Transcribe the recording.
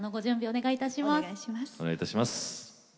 お願いいたします。